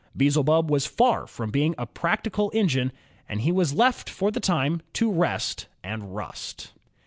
Beelzebub was far from being a practical engine, and he was left for the time to rest and rust.